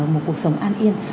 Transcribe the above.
một cuộc sống an yên